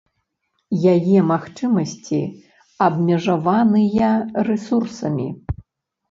Яе магчымасці абмежаваныя рэсурсамі.